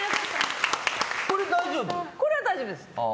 これは大丈夫です。